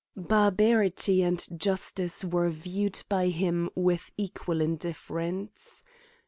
Barbarity and justice were viewed by him with equal indifference.